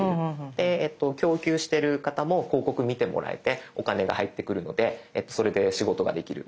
で供給してる方も広告見てもらえてお金が入ってくるのでそれで仕事ができる。